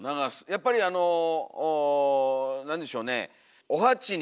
やっぱりあの何でしょうねお鉢に。